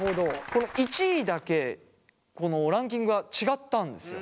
この１位だけこのランキングが違ったんですよ。